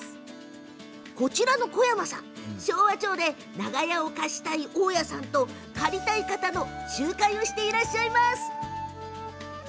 こちらの小山さん、昭和町で長屋を貸したい大家さんと借りたい方を仲介していらっしゃるんです。